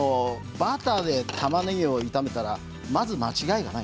バターでたまねぎを炒めたらまず間違いない。